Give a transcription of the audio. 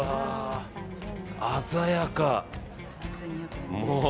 鮮やか。